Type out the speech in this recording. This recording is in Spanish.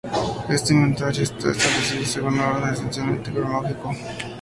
Este inventario está establecido según un orden esencialmente cronológico.